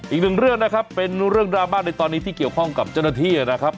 อีกหนึ่งเรื่องนะครับเป็นเรื่องดราม่าในตอนนี้ที่เกี่ยวข้องกับเจ้าหน้าที่นะครับ